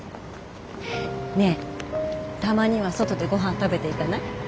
ねえたまには外でごはん食べていかない？